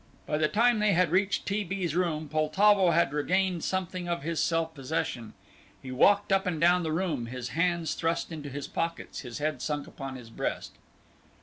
By the time they had reached T. B.'s room, Poltavo had regained something of his self possession. He walked up and down the room, his hands thrust into his pockets, his head sunk upon his breast.